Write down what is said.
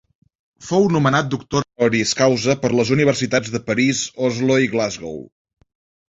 Fou nomenat doctor honoris causa per les universitats de París, Oslo i Glasgow.